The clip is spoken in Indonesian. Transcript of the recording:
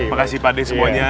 makasih pada semuanya